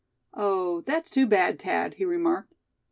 "Oh! that's too bad, Thad!" he remarked.